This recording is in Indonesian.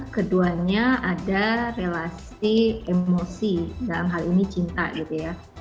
keduanya ada relasi emosi dalam hal ini cinta gitu ya